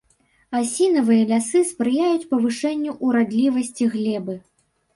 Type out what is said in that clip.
Асінавыя лясы спрыяюць павышэнню ўрадлівасці глебы.